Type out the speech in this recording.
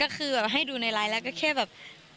ก็คือแบบให้ดูในไลน์แล้วก็แค่แบบ